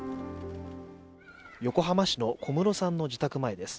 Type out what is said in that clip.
横浜市の小室さんの自宅前です。